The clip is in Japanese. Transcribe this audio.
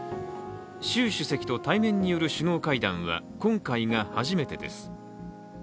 習主席と対面による首脳会談は今回が初めてです。